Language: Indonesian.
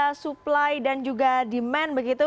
ada supply dan juga demand begitu